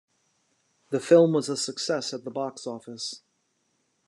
The film was a success at the box office.